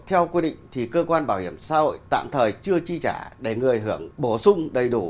theo quy định thì cơ quan bảo hiểm xã hội tạm thời chưa chi trả để người hưởng bổ sung đầy đủ